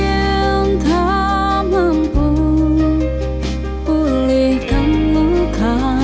cinta mampu pulihkan luka